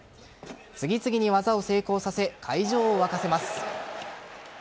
次々に技を成功させ会場を沸かせます。